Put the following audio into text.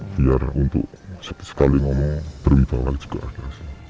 biar untuk sekali ngomong berwibah lagi juga ada sih